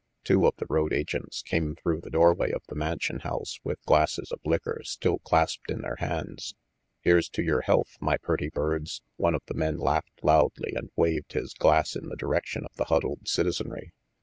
: Two of the road agents came through the doorway of the Mansion House with glasses of liquor still clasped in their hands. "Here's to yer health, my purty birds," one of the men laughed loudly and waved his glass in the direction of the huddled citizenry.